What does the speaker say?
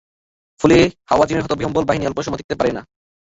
ফলে হাওয়াযিনের হতবিহ্বল বাহিনী অল্পসময়ও টিকতে পারে না।